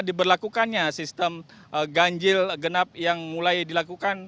diberlakukannya sistem ganjil genap yang mulai dilakukan